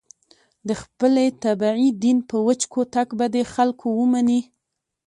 د خپلې طبعې دین به په وچ کوتک په دې خلکو ومني.